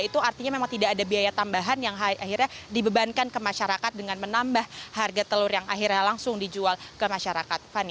itu artinya memang tidak ada biaya tambahan yang akhirnya dibebankan ke masyarakat dengan menambah harga telur yang akhirnya langsung dijual ke masyarakat